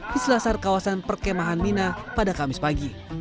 di selasar kawasan perkemahan mina pada kamis pagi